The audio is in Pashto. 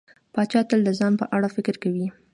پاچا تل د ځان په اړه فکر کوي.